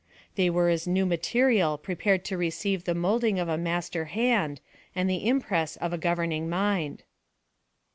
They were as new mate rial prepared to receive the moulding of a master hand, and the impress of a governing mind.